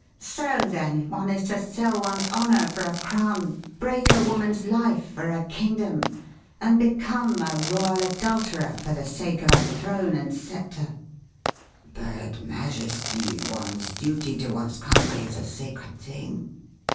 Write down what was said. "So, then, one is to sell one's honour for a crown; break a woman's life for a kingdom, and become a royal adulterer for the sake of a throne and sceptre!" "But, Majesty, one's duty to one's country is a sacred thing."